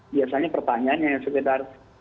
biasanya pertanyaannya yang sekitar